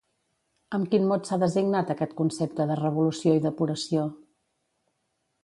Amb quin mot s'ha designat aquest concepte de revolució i depuració?